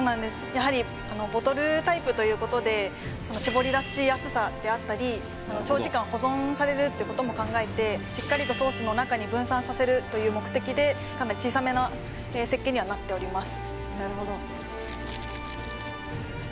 やはりボトルタイプということでしぼりだしやすさであったり長時間保存されるってことも考えてしっかりとソースの中に分散させるという目的でかなり小さめな設計にはなっております